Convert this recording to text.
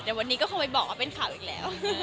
แต่วันนี้เค้าไปบอกหมดคุณเป็นข่าวอีกแล้ว